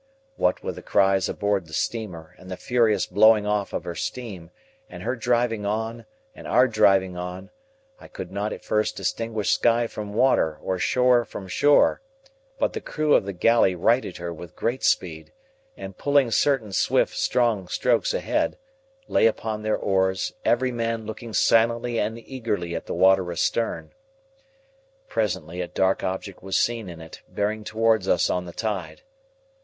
What with the cries aboard the steamer, and the furious blowing off of her steam, and her driving on, and our driving on, I could not at first distinguish sky from water or shore from shore; but the crew of the galley righted her with great speed, and, pulling certain swift strong strokes ahead, lay upon their oars, every man looking silently and eagerly at the water astern. Presently a dark object was seen in it, bearing towards us on the tide.